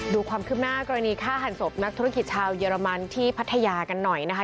ดูความคืบหน้ากรณีฆ่าหันศพนักธุรกิจชาวเยอรมันที่พัทยากันหน่อยนะคะ